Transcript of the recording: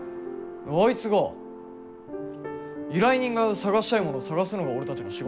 あいつが依頼人が探したいものを探すのが俺たちの仕事ですよね。